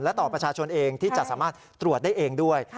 และต่อประชาชนเองที่จะสามารถตรวจได้เองด้วย